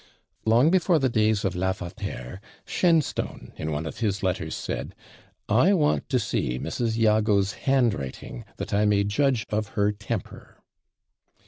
Long before the days of Lavater, Shenstone in one of his letters said, "I want to see Mrs. Jago's handwriting, that I may judge of her temper."